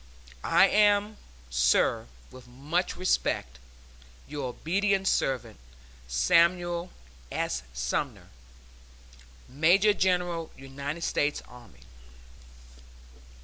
I am, sir, with much respect, Your obedient servant, SAMUEL S. SUMNER, Major General United States Army.